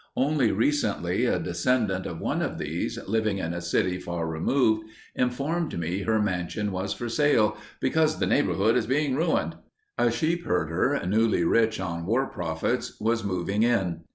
Only recently a descendant of one of these, living in a city far removed, informed me her mansion was for sale, "because the neighborhood is being ruined...." A sheep herder newly rich on war profits, was moving in.